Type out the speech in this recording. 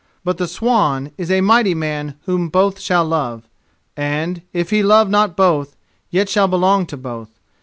But the swan is a mighty man whom both shall love, and, if he love not both, yet shall belong to both.